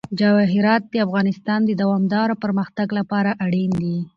جواهرات د افغانستان د دوامداره پرمختګ لپاره اړین دي.